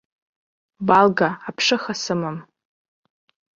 Балга, аԥшыха сымам!